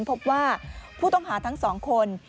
พบว่าผู้ต้องหาทั้งสองคน